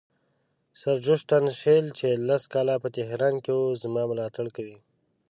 سر جوسټین شیل چې لس کاله په تهران کې وو زما ملاتړ کوي.